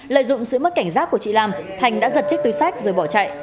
lợi dụng sự mất cảnh giác của chị lam thành đã giật chiếc túi sách rồi bỏ chạy